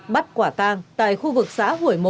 bắt quả tang tại khu vực xã hủy một